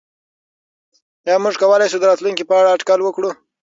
آیا موږ کولای شو د راتلونکي په اړه اټکل وکړو؟